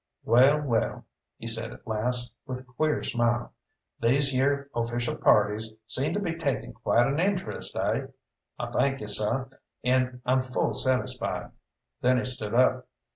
"Well, well," he said at last, with a queer smile, "these yere official parties seem to be takin' quite an interest, eh? I thank you, seh, and I'm full satisfied." Then he stood up.